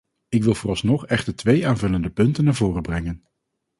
Ik wil vooralsnog echter twee aanvullende punten naar voren brengen.